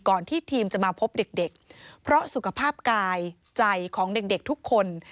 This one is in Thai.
ที่ทีมจะมาพบเด็กเพราะสุขภาพกายใจของเด็กทุกคน